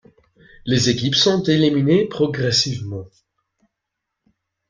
Les équipes sont éliminées progressivement.